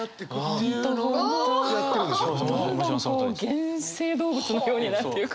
原生動物のようになっていく感じ。